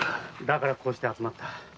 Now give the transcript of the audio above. だからこうして集まった。